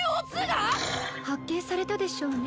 発見されたでしょうね